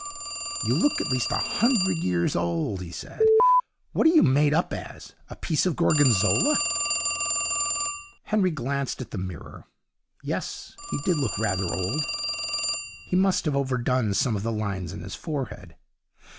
'You look at least a hundred years old,' he said. 'What are you made up as? A piece of Gorgonzola?' Henry glanced hastily at the mirror. Yes, he did look rather old. He must have overdone some of the lines on his forehead.